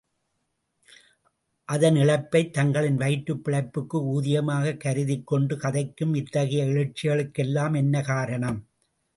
அதன் இழப்பைத் தங்களின் வயிற்றுப் பிழைப்புக்கு ஊதியமாகக் கருதிக் கொண்டு கதைக்கும் இத்தகைய எழுச்சிகளுக்கெல்லாம் என்ன காரணம்?